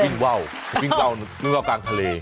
เดี๋ยวก็วิ่งเว้าวิ่งเกาะกลางทะเล